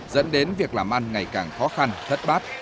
dẫn đến việc làm ăn ngày càng khó khăn thất bát